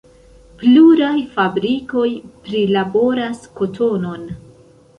Pluraj fabrikoj prilaboras kotonon.